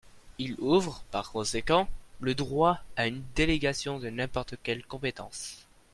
Il ouvre, par conséquent, le droit à une délégation de n’importe quelle compétence.